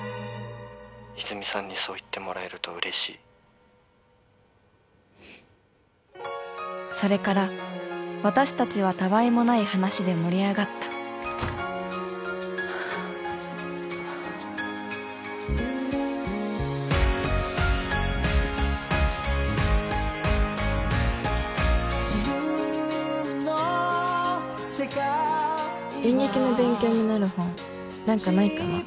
☎泉さんにそう言ってもらえると嬉しいそれから私達はたあいもない話で盛り上がった演劇の勉強になる本何かないかな？